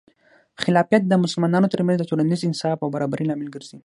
خلافت د مسلمانانو ترمنځ د ټولنیز انصاف او برابري لامل ګرځي.